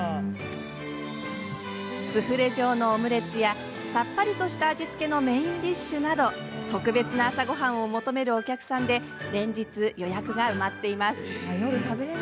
スフレ状のオムレツやさっぱりとした味付けのメインディッシュなど特別な朝ごはんを求めるお客さんで連日予約が埋まっています。